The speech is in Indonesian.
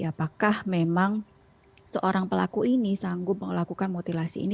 apakah memang seorang pelaku ini sanggup melakukan mutilasi ini